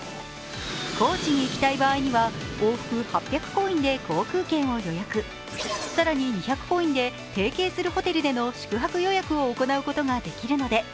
高知に行きたい場合には往復８００コインで航空券を予約、更に２００コインで提携するホテルでの宿泊予約を行うことができるので１０００